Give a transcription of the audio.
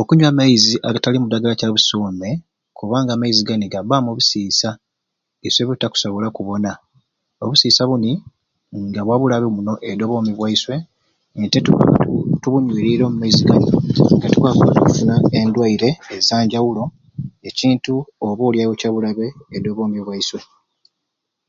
Okunywa amaizi agatalimu ddagala kyabusuume kubanga amaizi gani gabbaamu obusiisa iswe bwetutakusobola kubona obusiisa buni nga bwabulabe muno edi obwomi bwaiswe nti tubu tubunywiriire omu maizi gani nga tukwaba kufuna endwaire ezanjawulo ekintu ob'olyawo kyabulabe edi obwomi bwaiswe.